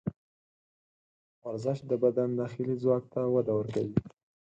ورزش د بدن داخلي ځواک ته وده ورکوي.